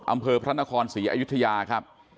อำเภอพระนครศรีอยุธยาครับ